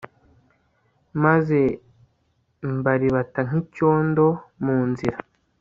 maze mbaribata nk'icyondo cyo mu nzira